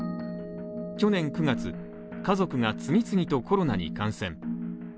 去年９月、家族が次々とコロナに感染。